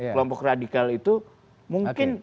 kelompok radikal itu mungkin